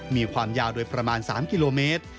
มีความยาวโดยประมาณ๓กิโลเมตร